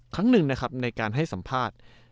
ครั้งนึงในการให้สัมภาษณ์